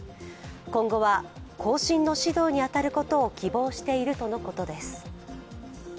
今後は後進の指導に当たることを希望しているとのことです。